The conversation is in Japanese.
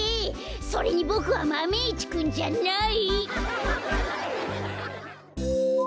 それにボクはマメ１くんじゃない！